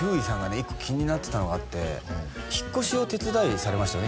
一個気になってたのがあって引っ越しを手伝いされましたよね